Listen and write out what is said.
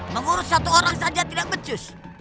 mengurus satu orang saja tidak becus